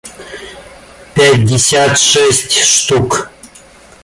пятьдесят шесть штук